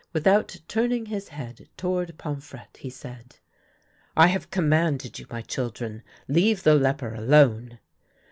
Without turning his head toward Pomfrette, he said :" I have commanded you, my children. Leave the leper alone."